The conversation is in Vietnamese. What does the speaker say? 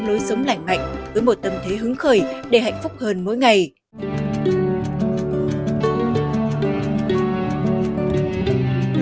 lối sống lành mạnh với một tâm thế hứng khởi để hạnh phúc hơn mỗi ngày ừ ừ